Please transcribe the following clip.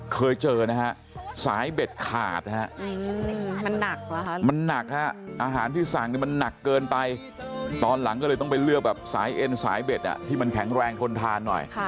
เคยเจอนะฮะสายเบ็ดขาดนะฮะมันหนักมันหนักฮะอาหารที่สั่งนี่มันหนักเกินไปตอนหลังก็เลยต้องไปเลือกแบบสายเอ็นสายเบ็ดที่มันแข็งแรงทนทานหน่อย